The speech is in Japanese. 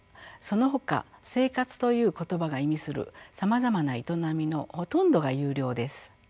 そのほか生活という言葉が意味するさまざまな営みのほとんどが有料です。